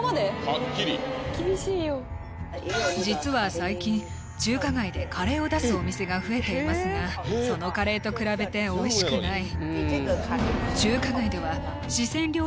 はっきり厳しいよ実は最近中華街でカレーを出すお店が増えていますがそのカレーと比べて美味しくない